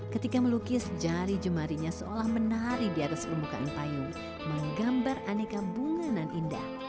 ketika melukis jari jemarinya seolah menari di atas permukaan payung menggambar aneka bunga nan indah